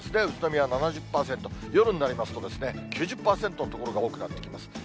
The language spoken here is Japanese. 宇都宮は７０％、夜になりますと９０％の所が多くなってきます。